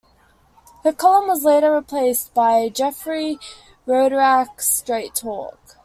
Her column was later replaced by Jeffrey Rodack's Straight Talk.